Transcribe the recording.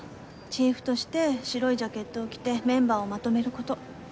チーフとして白いジャケットを着てメンバーをまとめる事。